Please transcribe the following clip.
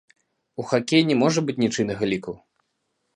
У хакеі не можа быць нічыйнага ліку.